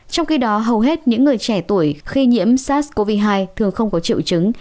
trong khi đó hầu hết những người trẻ tuổi khi nhiễm sars cov hai thường không có triệu chứng